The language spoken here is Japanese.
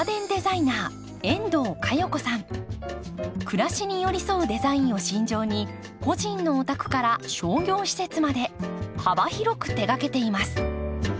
「暮らしに寄り添うデザイン」を信条に個人のお宅から商業施設まで幅広く手がけています。